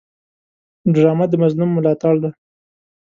ډرامه د مظلوم ملاتړ ده